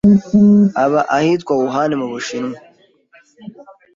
Aba ahitwa Wuhan, mmubushinwa